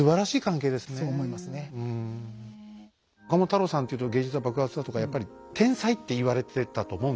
岡本太郎さんっていうと「芸術は爆発だ！」とかやっぱり天才って言われてたと思うんですけど